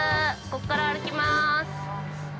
ここから歩きまーす。